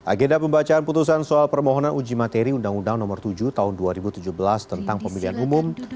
agenda pembacaan putusan soal permohonan uji materi undang undang nomor tujuh tahun dua ribu tujuh belas tentang pemilihan umum